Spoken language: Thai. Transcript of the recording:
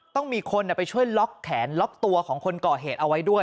ต้องมีคนไปช่วยล็อกแขนล็อกตัวของคนก่อเหตุเอาไว้ด้วย